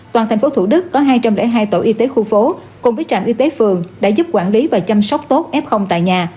tổ y tế khu phố cùng với trạm y tế phường đã giúp quản lý và chăm sóc tốt f tại nhà